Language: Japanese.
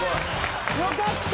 よかった！